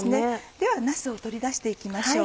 ではなすを取り出して行きましょう。